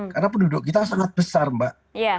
karena penduduk kita sangat besar mbak